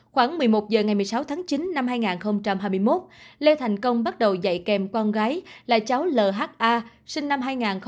khoảng một mươi một h ngày một mươi sáu tháng chín năm hai nghìn hai mươi một lê thành công bắt đầu dạy kèm con gái là cháu lha sinh năm hai nghìn một mươi năm